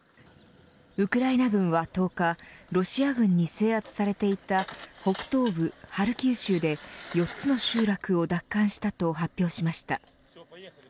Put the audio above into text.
ウクライナ軍は１０日ロシア軍に制圧されていた北東部ハルキウ州で４つの集落を奪還したと発表しました。